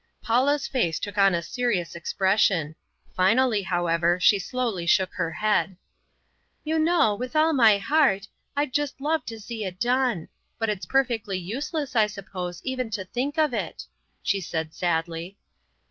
Paula's face took on a serious expression finally, however, she slowly shook her head. "You know, with all my heart, I'd just love to see it done; but it's perfectly useless, I suppose, even to think of it," she said sadly.